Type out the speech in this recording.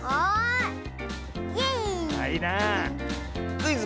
「クイズ！